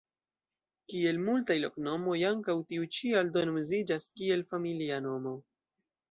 Kiel multaj loknomoj, ankaŭ tiu ĉi aldone uziĝas kiel familia nomo.